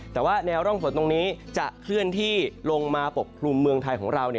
แต่ว่าแนวร่องฝนตรงนี้จะเคลื่อนที่ลงมาปกครุมเมืองไทยของเรา